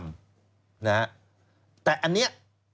นะฮะแต่อันนี้